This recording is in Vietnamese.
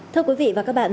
thưa quý vị và các bạn